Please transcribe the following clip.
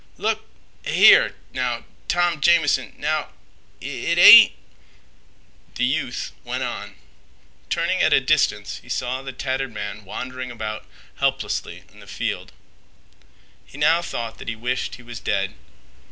"Look—a—here, now, Tom Jamison—now—it ain't—" The youth went on. Turning at a distance he saw the tattered man wandering about helplessly in the field. He now thought that he wished he was dead.